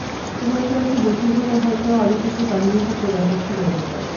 সময়টা একটু বেশি হলে হয়তো আরও কিছু কাহিনিচিত্র দেখার সুযোগ হতো।